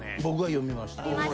読みました！